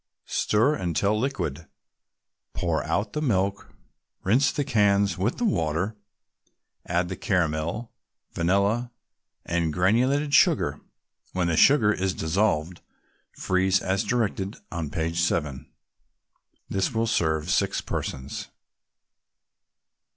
Stir until liquid. Pour out the milk, rinse the cans with the water, add the caramel, vanilla and granulated sugar. When the sugar is dissolved, freeze as directed on page 7. This will serve six persons.